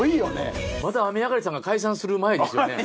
まだ雨上がりさんが解散する前ですよね！？